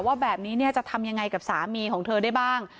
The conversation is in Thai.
ว่าแบบนี้จะทำยังไงกับสามีของเธอได้บ้าง